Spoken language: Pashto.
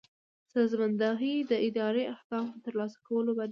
سازماندهي د اداري اهدافو د ترلاسه کولو جریان دی.